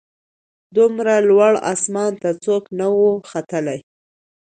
دومره لوړ اسمان ته څوک نه وه ختلي